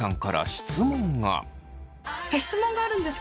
質問があるんですけど